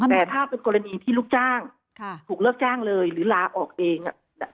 แต่ถ้าเป็นกรณีที่ลูกจ้างถูกเลิกจ้างเลยหรือลาออกเอง